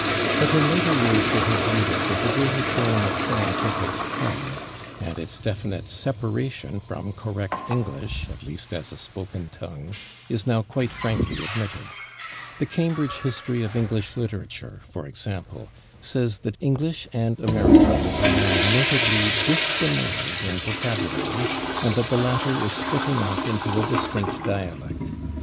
But in later years they have viewed it with a greater showing of scientific calm, and its definite separation from correct English, at least as a spoken tongue, is now quite frankly admitted. The Cambridge History of English Literature, for example, says that English and American are now "notably dissimilar" in vocabulary, and that the latter is splitting off into a distinct dialect.